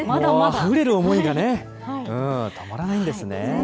あふれる思いがね、止まらないんですね。